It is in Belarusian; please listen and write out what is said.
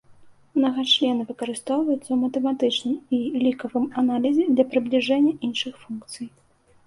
Мнагачлены выкарыстоўваюцца ў матэматычным і лікавым аналізе для прыбліжэння іншых функцый.